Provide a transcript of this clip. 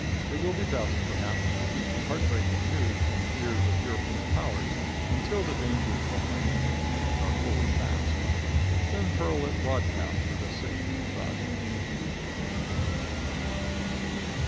It will be best, perhaps, to keep the heart breaking news from the ears of European powers until the dangers of a financial panic are fully past. Then hurl it broadcast with a sickening thud.